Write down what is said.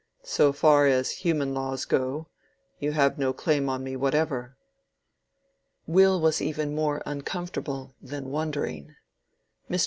So far as human laws go, you have no claim on me whatever." Will was even more uncomfortable than wondering. Mr.